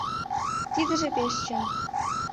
Тидыже пеш чын.